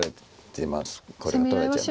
これが取られちゃう。